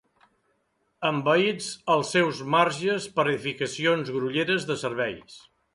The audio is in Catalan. Envaïts els seus marges per edificacions grolleres de serveis.